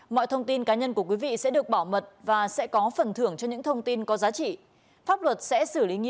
mọi thông tin cá nhân của quý vị sẽ được bảo mật và sẽ có phần thưởng cho những thông tin có giá trị